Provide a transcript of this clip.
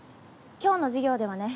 今日の授業ではね